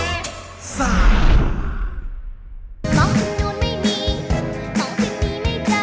มองถึงนู้นไม่มีมองถึงนี่ไม่เจอ